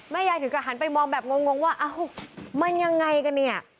ยายถึงก็หันไปมองแบบงงว่าเอ้ามันยังไงกันเนี่ย